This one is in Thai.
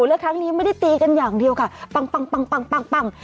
แล้วครั้งนี้ไม่ได้ตีกันอย่างเดียวค่ะปังปังปังปังปังปัง